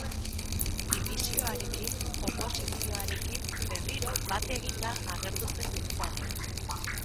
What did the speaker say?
Dimisioarekin oposizioarekin berriro bat eginda agertu zen Biltzarrean.